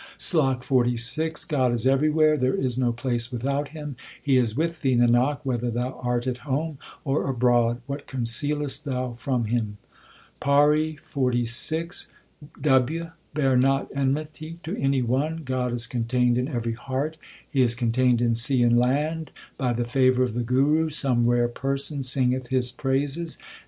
SLOK XLVI God is everywhere, there is no place without Him ; He is with thee, Nanak, whether thou art at home or abroad ; what concealest thou from Him ? PAURI XLVI W. Bear not enmity to any one God is contained in every heart ; He is contained in sea and land ; By the favour of the Guru some rare person singeth His praises.